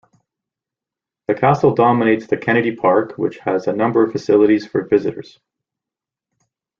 The castle dominates the Kennedy Park, which has a number of facilities for visitors.